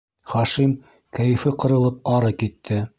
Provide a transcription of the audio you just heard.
Хашим, кәйефе ҡырылып, ары китте.